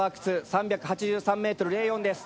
３８３．０４ｍです。